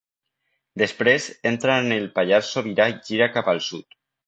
Després entra en el Pallars Sobirà i gira cap al sud.